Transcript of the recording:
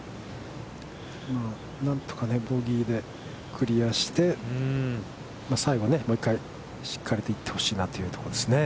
何とかボギーでクリアして、最後ね、もう一回しっかりいってほしいなというところですね。